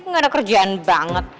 gak ada kerjaan banget